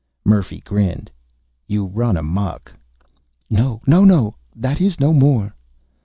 Murphy grinned. "You run amok." "No, no, no. That is no more."